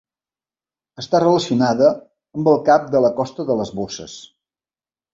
Està relacionada amb el Cap de la Costa de les Bosses.